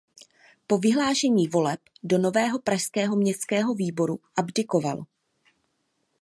Po vyhlášení voleb do nového pražského městského výboru abdikoval.